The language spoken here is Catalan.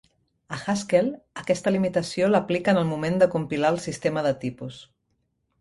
A Haskell, aquesta limitació l'aplica en el moment de compilar el sistema de tipus.